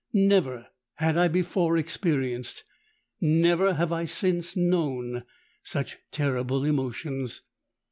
Never had I before experienced—never have I since known such terrible emotions!